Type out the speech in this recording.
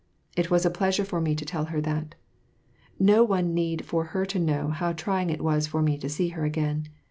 It was a pleasure for me to tell her that. No need for her to know how trying it was for me to see her again.